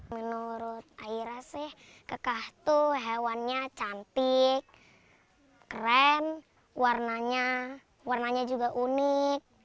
menurut aira sih kekah tuh hewannya cantik keren warnanya warnanya juga unik